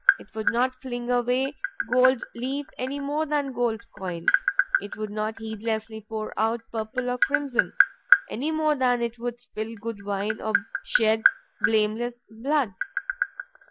It would not fling away gold leaf any more than gold coin; it would not heedlessly pour out purple or crimson, any more than it would spill good wine or shed blameless blood.